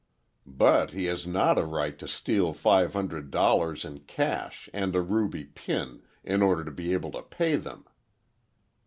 "But he has not a right to steal five hundred dollars in cash and a ruby pin, in order to be able to pay them!"